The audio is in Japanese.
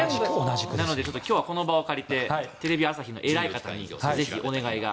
なので今日はこの場を借りてテレビ朝日の偉い方にぜひお願いが。